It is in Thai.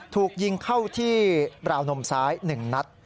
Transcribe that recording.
ถูกยิงเข้าที่ราวนมซ้าย๑นัด